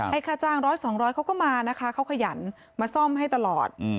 ให้ค่าจ้าง๑๐๐๒๐๐เขาก็มานะคะเขาขยันมาซ่อมให้ตลอด